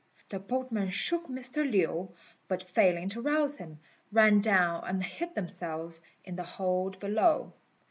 The boatmen shook Mr. Lin, but failing to rouse him, ran down and hid themselves in the hold below.